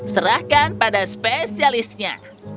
serahkan pada spesialisnya